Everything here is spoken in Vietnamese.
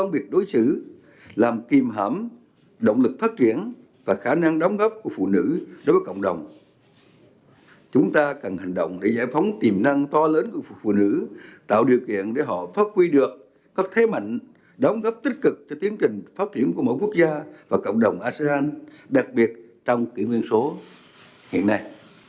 bộ trưởng của mỗi quốc gia và cộng đồng asean đặc biệt trong kỷ nguyên số hiện nay